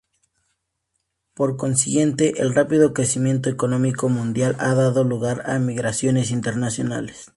Por consiguiente, el rápido crecimiento económico mundial ha dado lugar a migraciones internacionales.